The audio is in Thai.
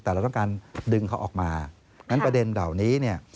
แต่เราต้องการดึงเขาออกมางั้นประเด็นเหล่านี้เนี่ย